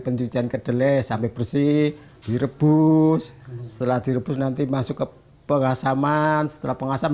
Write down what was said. pencucian kedelai sampai bersih direbus setelah direbus nanti masuk ke pengasaman setelah pengasam